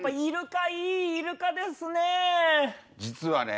実はね